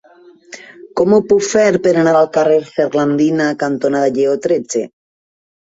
Com ho puc fer per anar al carrer Ferlandina cantonada Lleó tretze?